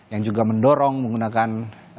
yang juga mendorong menggunakan